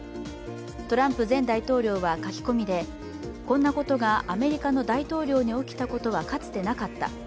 トランプ前大統領は書き込みでこんなことがアメリカの大統領で起きたことはかつてなかった。